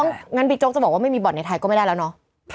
งั้นบิ๊กโจ๊กจะบอกว่าไม่มีบ่อนในไทยก็ไม่ได้แล้วเนาะ